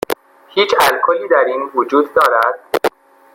هیچ الکلی در این وجود دارد؟